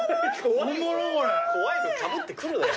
怖いのかぶってくるなよ。